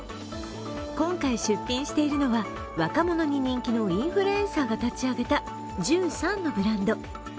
今回、出品しているのは若者に人気のインフルエンサーが立ち上げた１３のブランド。